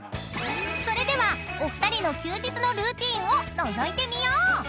［それではお二人の休日のルーティンをのぞいてみよう！］